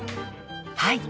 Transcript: はい。